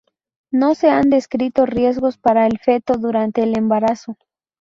No se han descrito riesgos para el feto durante el embarazo.